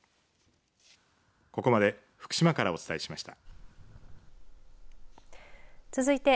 ここまで福島からお伝えしました。